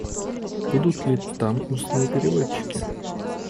Будут ли там устные переводчики?